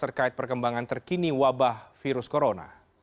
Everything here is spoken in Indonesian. terkait perkembangan terkini wabah virus corona